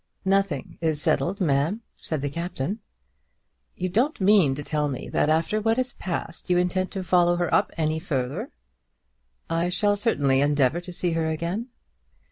"Nothing is settled, ma'am," said the Captain. "You don't mean to tell me that after what has passed you intend to follow her up any further." "I shall certainly endeavour to see her again."